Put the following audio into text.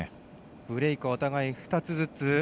ブレーク、お互い２つずつ。